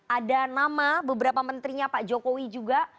ada nama beberapa menterinya pak jokowi juga